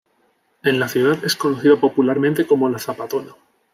En la ciudad es conocida popularmente como ‘’la Zapatona’’.